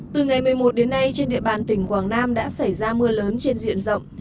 từ ngày một mươi một đến nay trên địa bàn tỉnh quảng nam đã xảy ra mưa lớn trên diện rộng